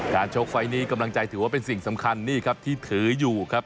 การโชคไฟนี้กำลังใจถือว่าเป็นสิ่งสำคัญที่ถืออยู่ครับ